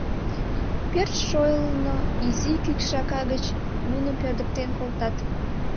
Пӧрт шойылно изи кӱкшака гыч муным пӧрдыктен колтат.